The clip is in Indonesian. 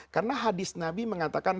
karena hadis nabi mengatakan